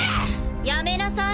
・やめなさい。